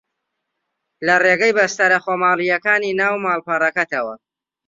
لە ڕێگەی بەستەرە خۆماڵییەکانی ناو ماڵپەڕەکەتەوە